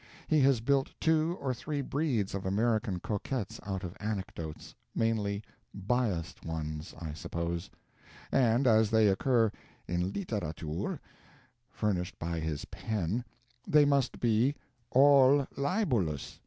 He has built two or three breeds of American coquettes out of anecdotes mainly "biased" ones, I suppose; and, as they occur "in literature," furnished by his pen, they must be "all libelous."